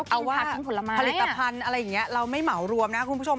เอาว่าผลิตภัณฑ์อะไรอย่างนี้เราไม่เหมารวมนะคุณผู้ชม